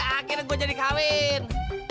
akhirnya gua jadi kawin